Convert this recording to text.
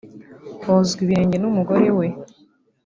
wozwa ibirenge n’umugore we